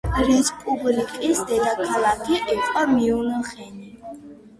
რესპუბლიკის დედაქალაქი იყო მიუნხენი.